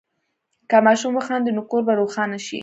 که ماشوم وخاندي، نو کور به روښانه شي.